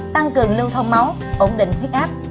tăng cường lưu thông máu ổn định huyết áp